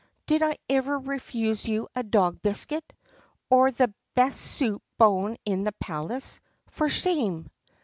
"Did I ever refuse you a dog biscuit*? Or the best soup bone in the palace 4 ? For shame!"